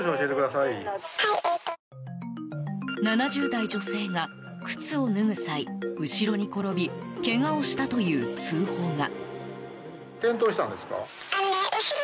７０代女性が靴を脱ぐ際後ろに転びけがをしたという通報が。